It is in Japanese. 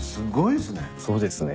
そうですね。